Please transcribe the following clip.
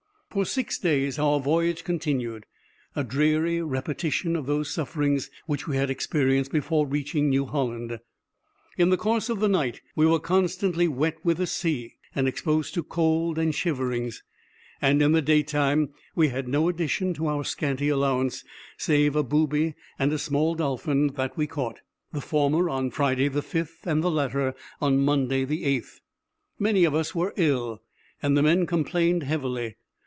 For six days our voyage continued; a dreary repetition of those sufferings which we had experienced before reaching New Holland. In the course of the night we were constantly wet with the sea, and exposed to cold and shiverings; and in the daytime we had no addition to our scanty allowance, save a booby and a small dolphin that we caught, the former on Friday the 5th, and the latter on Monday the 8th. Many of us were ill, and the men complained heavily.